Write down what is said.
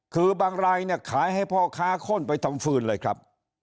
คือบางรายเนี่ยขายให้พ่อค้าข้นไปทำฟืนเลยครับ